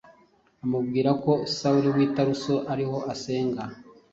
amubwira ko Sawuli w’i Taruso ariho asenga